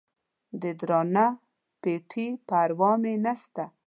د درانه پېټي پروا مې نسته.